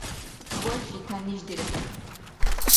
Ваши тянишдирехӀе